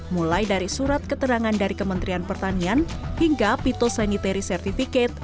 mulai dari surat keterangan dari kementerian pertanian hingga pito sanitary certificate